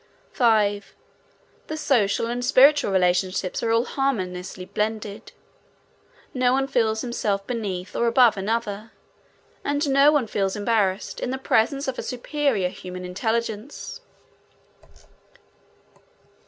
5. The social and spiritual relationships are all harmoniously blended. No one feels himself beneath or above another, and no one feels embarrassed in the presence of a superior human intelligence.